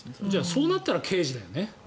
そうなったら刑事だよね。